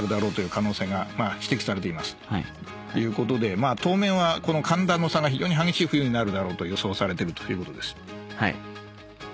まあ当面は寒暖の差が非常に激しい冬になるだろうと予想されてるということです。